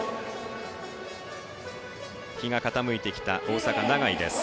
日が傾いてきた大阪・長居です。